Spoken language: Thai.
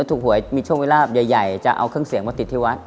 ถูกหวยมีโชคมีลาบใหญ่จะเอาเครื่องเสียงมาติดที่วัด